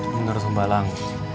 menurut mbak lang